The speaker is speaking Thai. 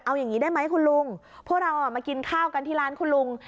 เอาอย่างนี้ได้ไหมคุณลุงพวกเรามากินข้าวกันที่ร้านคุณลุง